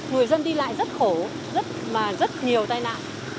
người dân đi lại rất khổ mà rất nhiều tai nạn